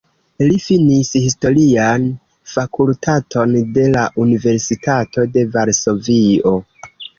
Li finis Historian Fakultaton de la Universitato de Varsovio.